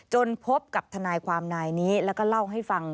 พบกับทนายความนายนี้แล้วก็เล่าให้ฟัง